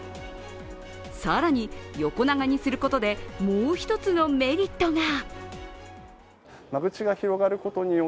更に、横長にすることでもう一つのメリットが。